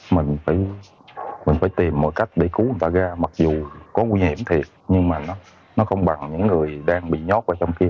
mình phải tìm mọi cách để cứu người ta ra mặc dù có nguy hiểm thì nhưng mà nó không bằng những người đang bị nhót ở trong kia